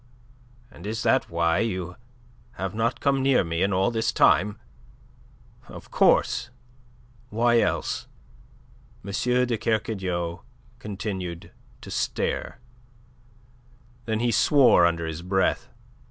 "And is that why you have not come near me in all this time?" "Of course. Why else?" M. de Kercadiou continued to stare. Then he swore under his breath.